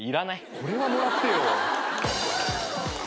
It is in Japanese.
これはもらってよ。